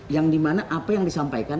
yang dimana apa yang disampaikan